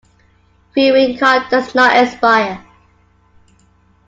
Viewing card does not expire.